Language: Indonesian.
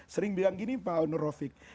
sering bilang gini pak onur raufik